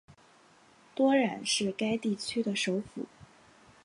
多瑙是该地区的首府。